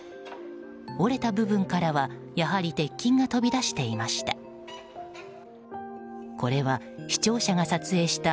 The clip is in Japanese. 折れた部分からはやはり鉄筋が飛び出していました。